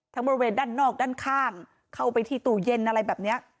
บริเวณด้านนอกด้านข้างเข้าไปที่ตู้เย็นอะไรแบบนี้